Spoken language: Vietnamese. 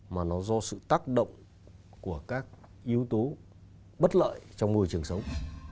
mà nó do sự tác động của các yếu tố bất lợi trong môi trường sống